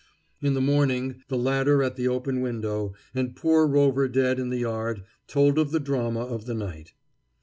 In the morning the ladder at the open window and poor Rover dead in the yard told of the drama of the night.